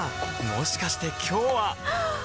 もしかして今日ははっ！